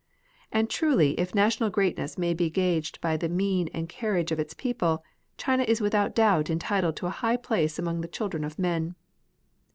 And truly if national greatness may be gauged by the mien and carriage of its people, China is without doubt entitled to a high place among the children of men.